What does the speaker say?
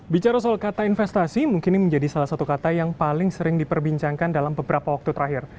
bicara soal kata investasi mungkin ini menjadi salah satu kata yang paling sering diperbincangkan dalam beberapa waktu terakhir